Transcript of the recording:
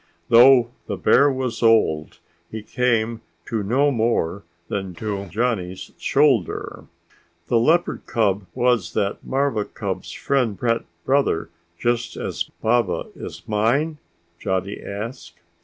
Though the bear was old, he came no more than to Johnny's shoulder. "The leopard cub was that marva cub's friend pet brother just as Baba is mine?" Johnny asked.